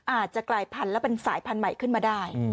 อาจจะกลายพันธุ์และเป็นสายพันธุ์ใหม่ขึ้นมาได้